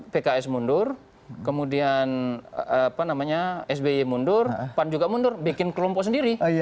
pks mundur kemudian sby mundur pan juga mundur bikin kelompok sendiri